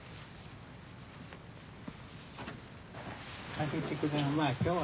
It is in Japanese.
開けてくのはまあ今日は。